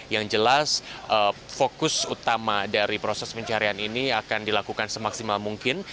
yang jelas fokus utama dari proses pencarian ini akan dilakukan semaksimal mungkin